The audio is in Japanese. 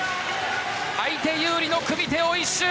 相手有利の組み手を一蹴！